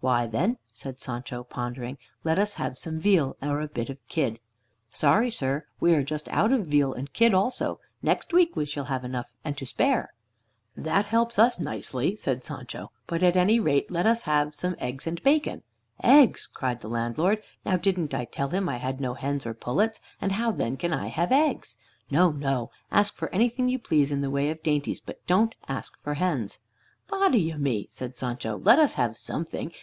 "Why, then," said Sancho, pondering, "let us have some veal, or a bit of kid." "Sorry sir, we are just out of veal and kid also. Next week we shall have enough and to spare." "That helps us nicely," said Sancho. "But at any rate, let us have some eggs and bacon." "Eggs!" cried the landlord. "Now didn't I tell him I had no hens or pullets, and how then can I have eggs? No, no! Ask for anything you please in the way of dainties, but don't ask for hens." "Body o' me!" said Sancho, "let us have something.